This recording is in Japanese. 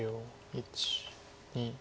１２。